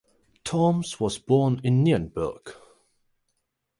Thoms was born in Nienburg.